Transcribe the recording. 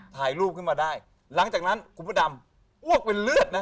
ถ่ายรูปขึ้นมาได้หลังจากนั้นคุณพระดำอ้วกเป็นเลือดนะ